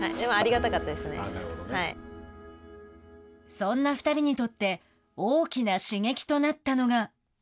そんな２人にとって大きな刺激となったのが。